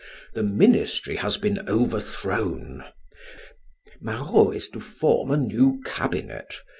The ministry has been overthrown. Marrot is to form a new cabinet.